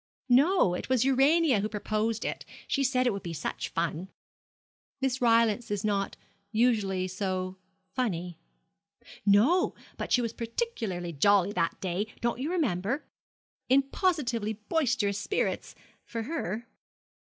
'No; it was Urania who proposed it. She said it would be such fun.' 'Miss Rylance is not usually so funny.' 'No; but she was particularly jolly that day, don't you remember? in positively boisterous spirits for her.'